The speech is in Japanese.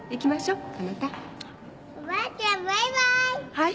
はい。